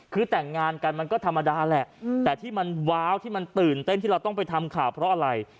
คือแต่งงานกันมันก็ธรรมดาแหละแต่ที่มันว้าวที่มันตื่นเต้นที่เราต้องไปทำข่าวเพราะอะไร